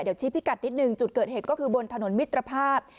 เดี๋ยวชี้พิกัดนิดนึงจุดเกิดเหตุก็คือบนถนนมิตรภาพ